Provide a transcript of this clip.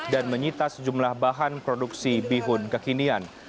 dan menyitas jumlah bahan produksi bihun kekinian